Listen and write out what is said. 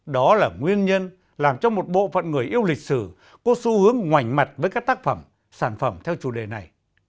đó là nguyên nhân làm cho một bộ phận người yêu lịch sử có xu hướng ngoảnh mặt với các tác phẩm sản phẩm theo chủ đề này